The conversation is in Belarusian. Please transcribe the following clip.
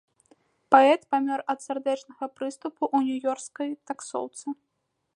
Паэт памёр ад сардэчнага прыступу ў нью-ёркскай таксоўцы.